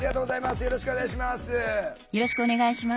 よろしくお願いします。